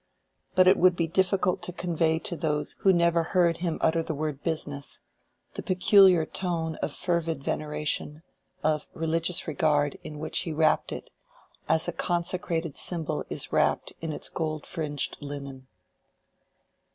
But it would be difficult to convey to those who never heard him utter the word "business," the peculiar tone of fervid veneration, of religious regard, in which he wrapped it, as a consecrated symbol is wrapped in its gold fringed linen.